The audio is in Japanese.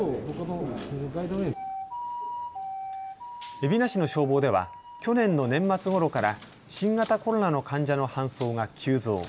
海老名市の消防では去年の年末ごろから新型コロナの患者の搬送が急増。